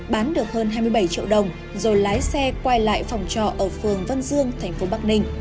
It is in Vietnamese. bán được hơn hai mươi bảy triệu đồng rồi lái xe quay lại phòng trò ở phường văn dương tp bắc ninh